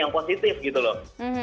yang positif gitu loh